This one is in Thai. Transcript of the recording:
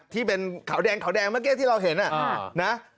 ที่เป็นขาวแดงเมื่อกี้ที่เราเห็น